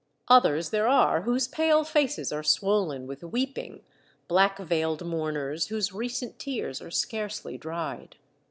Others there are whose pale faces are swollen with weeping, black veiled mourners whose recent tears are scarcely dried.